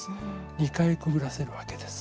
２回くぐらせるわけです。